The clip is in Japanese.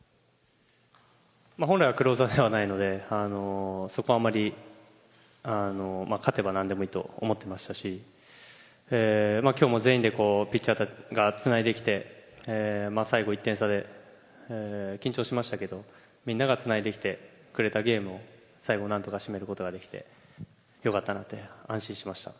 本来はクローザーではないので、そこはあまり、勝てばなんでもいいと思ってましたし、きょうも全員でピッチャーたちがつないできて、最後１点差で緊張しましたけど、みんながつないできてくれたゲームを最後なんとか締めることができて、よかったなって、安心しました。